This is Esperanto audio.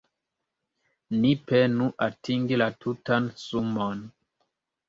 Ni penu atingi la tutan sumon.